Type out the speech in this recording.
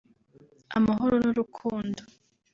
amahoro n’urukundo